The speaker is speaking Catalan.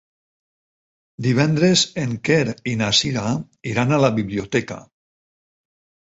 Divendres en Quer i na Cira iran a la biblioteca.